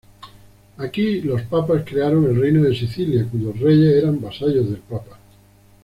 Aquí los papas crearon el Reino de Sicilia, cuyos reyes eran vasallos del papa.